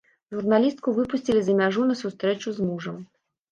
Журналістку выпусцілі за мяжу на сустрэчу з мужам.